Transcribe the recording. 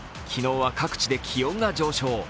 昨日は各地で気温が上昇。